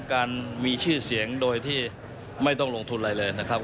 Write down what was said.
การมีชื่อเสียงโดยที่ไม่ต้องลงทุนอะไรเลยนะครับ